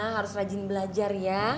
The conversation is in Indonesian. harus rajin belajar ya